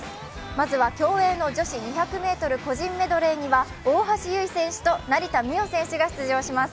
まずは競泳の女子２００ｍ個人メドレーには大橋悠依選手と成田実生選手が出場します。